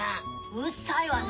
うっさいわね！